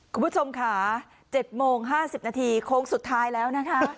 คุณผู้ชมค่ะ๗โมง๕๐นาทีโค้งสุดท้ายแล้วนะคะ